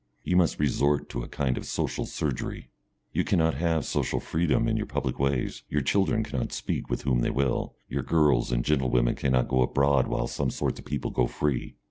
You must resort to a kind of social surgery. You cannot have social freedom in your public ways, your children cannot speak to whom they will, your girls and gentle women cannot go abroad while some sorts of people go free.